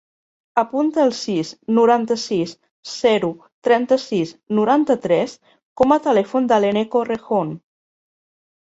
Apunta el sis, noranta-sis, zero, trenta-sis, noranta-tres com a telèfon de l'Eneko Rejon.